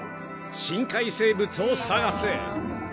［深海生物を探す。